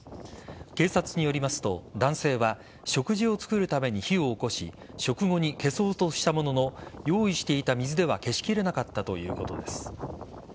警察によりますと、男性は食事を作るために火をおこし食後に消そうとしたものの用意していた水では消しきれなかったということです。